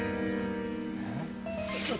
えっ？